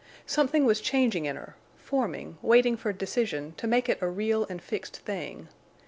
Something was changing in her, forming, waiting for decision to make it a real and fixed thing.